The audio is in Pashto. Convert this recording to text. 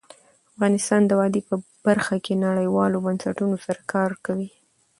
افغانستان د وادي په برخه کې نړیوالو بنسټونو سره کار کوي.